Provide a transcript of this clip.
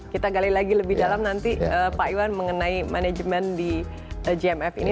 kita gali lagi lebih dalam nanti pak iwan mengenai manajemen di gmf ini